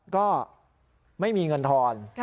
ก็ไม่มีเงินทอน